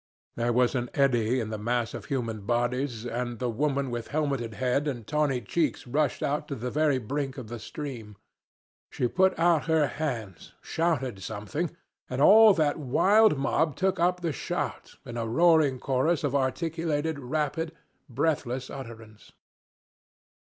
There was an eddy in the mass of human bodies, and the woman with helmeted head and tawny cheeks rushed out to the very brink of the stream. She put out her hands, shouted something, and all that wild mob took up the shout in a roaring chorus of articulated, rapid, breathless utterance.